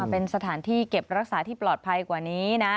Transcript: เป็นสถานที่เก็บรักษาที่ปลอดภัยกว่านี้นะ